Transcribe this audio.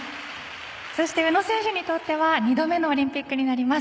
そして宇野選手にとっては２度目のオリンピックになります。